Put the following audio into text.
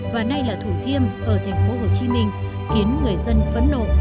và nay là thủ thiêm ở tp hcm khiến người dân phấn nộ